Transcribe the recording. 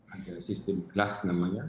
ada sistem glas namanya